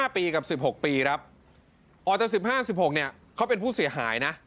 ๕ปีกับ๑๖ปีครับออกจาก๑๕๑๖เนี่ยเขาเป็นผู้เสียหายนะ